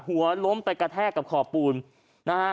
หัวล้มไปกระแทกกับขอบปูนนะฮะ